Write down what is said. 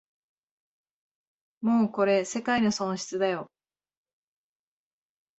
もうこれ世界の損失だよ